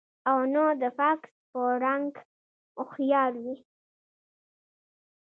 او نۀ د فاکس پۀ رنګ هوښيار وي